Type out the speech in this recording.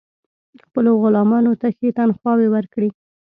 خپلو غلامانو ته ښې تنخواوې ورکړي.